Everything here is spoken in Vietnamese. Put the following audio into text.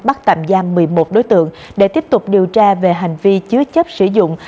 bắt tạm giam một mươi một đối tượng để tiếp tục điều tra về hành vi chứa chấp sử dụng